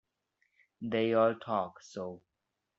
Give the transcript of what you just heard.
They all talk so.